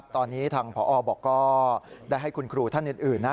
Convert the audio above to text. ตอนนี้ทางพอบอกก็ได้ให้คุณครูท่านอื่นนะ